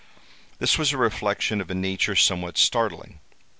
(*3) This was a reflection of a nature somewhat startling.